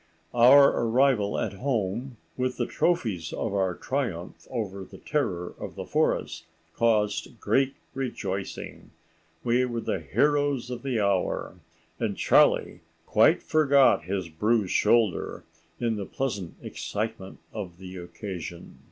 Our arrival at home with the trophies of our triumph over the terror of the forest caused great rejoicing. We were the heroes of the hour, and Charlie quite forgot his bruised shoulder in the pleasant excitement of the occasion.